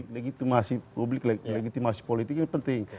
legitimasi publik legitimasi politik itu penting